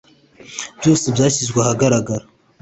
byose byashyizwe ahagaragara,